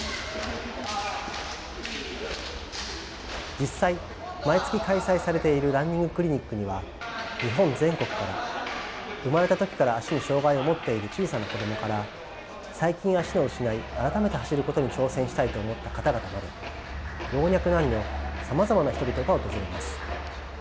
実際毎月開催されているランニングクリニックには日本全国から生まれた時から足に障害を持っている小さな子供から最近足を失い改めて走ることに挑戦したいと思った方々など老若男女さまざまな人々が訪れます。